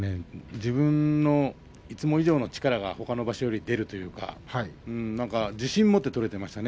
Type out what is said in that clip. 自分のいつも以上の力がほかの場所より出ると自信を持って取れていましたね。